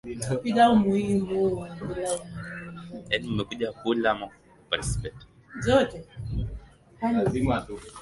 katika kupunguza maumivu kwa wagonjwa wa saratani